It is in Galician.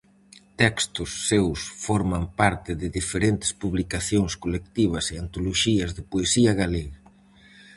Textos seus forman parte de diferentes publicacións colectivas e antoloxías de poesía galega.